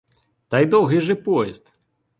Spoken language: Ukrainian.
Та й довгий же поїзд!